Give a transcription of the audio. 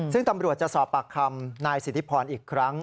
ซึ่งตำรวจจะสอบปากคำนายสิทธิพรอีกครั้ง